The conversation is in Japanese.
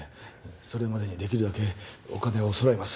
それまでにできるだけお金を揃えます